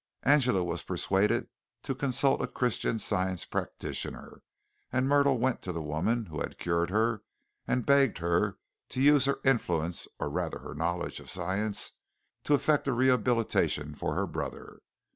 Angela was persuaded to consult a Christian Science practitioner, and Myrtle went to the woman who had cured her and begged her to use her influence, or rather her knowledge of science to effect a rehabilitation for her brother.